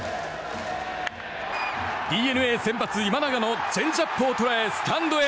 ＤｅＮＡ先発、今永のチェンジアップを捉えスタンドへ。